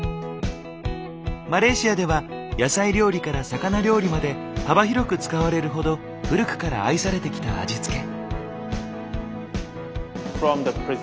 マレーシアでは野菜料理から魚料理まで幅広く使われるほど古くから愛されてきた味付け。